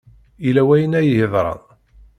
Yella wayen ay yeḍran.